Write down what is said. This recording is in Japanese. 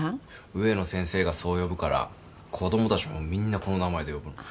植野先生がそう呼ぶから子供たちもみんなこの名前で呼ぶんだ。